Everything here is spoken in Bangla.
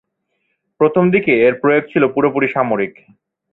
প্রথম দিকে এর প্রয়োগ ছিল পুরোপুরি সামরিক।